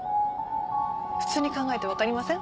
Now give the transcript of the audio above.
普通に考えて分かりません？